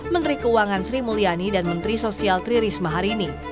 menteri keuangan sri mulyani dan menteri sosial tri risma hari ini